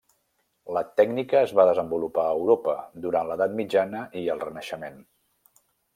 La tècnica es va desenvolupar a Europa durant l'edat mitjana i el Renaixement.